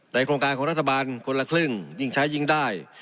โครงการของรัฐบาลคนละครึ่งยิ่งใช้ยิ่งได้